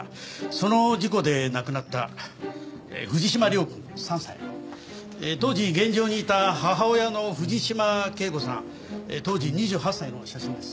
その事故で亡くなった藤島涼君３歳当時現場にいた母親の藤島圭子さん当時２８歳の写真です。